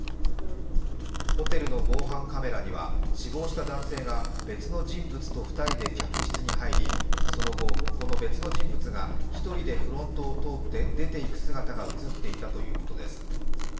ホテルの防犯カメラには、死亡した男性が、別の人物と２人で客室に入り、その後この別の人物が１人でフロントを通って出ていく姿が映っていたということです。